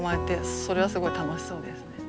それはすごい楽しそうですね。